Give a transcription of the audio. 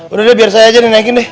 udah deh biar saya aja naikin deh